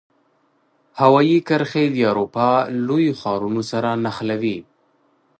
هوایي کرښې د اروپا لوی ښارونو سره نښلوي.